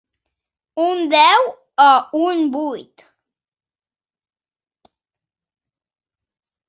Un deu o un vuit.